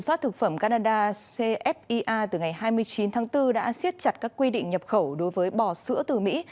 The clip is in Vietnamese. số ca tử vong do sốt xét đã tăng từ năm trăm bảy mươi sáu người vào năm hai nghìn một mươi chín lên sáu trăm linh tám người vào năm hai nghìn hai mươi hai